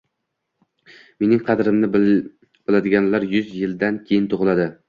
Mening qadrimni biladiganlar yuz yildan keyin tug’iladi.